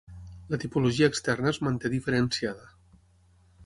La tipologia externa es manté diferenciada.